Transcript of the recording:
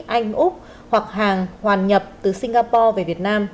anh úc hoặc hàng hoàn nhập từ singapore về việt nam